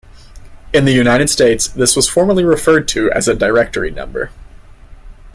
In the United States, this was formerly referred to as a "directory number".